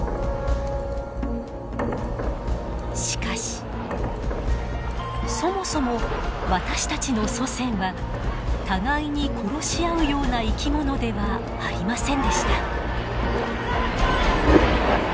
しかしそもそも私たちの祖先は互いに殺し合うような生き物ではありませんでした。